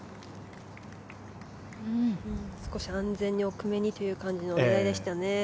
少し安全に奥めにという感じでしたね。